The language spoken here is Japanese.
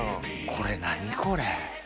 これ何これ？